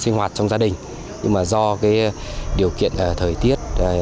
sinh hoạt trong gia đình nhưng mà do điều kiện thời tiết